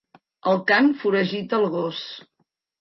El cant foragita el gos.